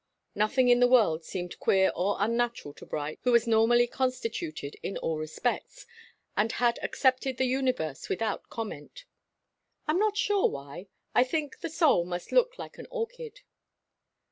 Nothing in the world seemed queer or unnatural to Bright, who was normally constituted in all respects, and had accepted the universe without comment. "I am not sure why. I think the soul must look like an orchid."